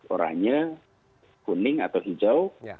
oranye kuning atau hijau